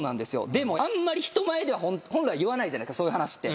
でもあんまり人前では本来言わないじゃないですかそういう話って。